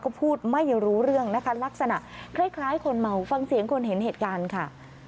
ก็พูดไม่รู้เรื่องนะคะลักษณะคล้ายคนเมาฟังเสียงคนเห็นเหตุการณ์ค่ะ